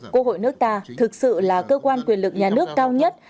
quốc hội nước ta thực sự là cơ quan quyền lực nhà nước cao nhất